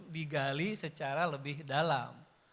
digali secara lebih dalam